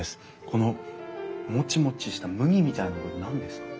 このもちもちした麦みたいなの何ですか？